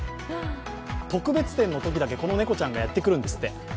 特別展の時だけこの猫ちゃんがやってくるんですって。